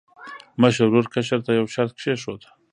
مشر ورور کشر ته یو شرط کېښود.